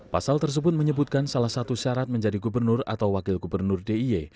pasal tersebut menyebutkan salah satu syarat menjadi gubernur atau wakil gubernur d i e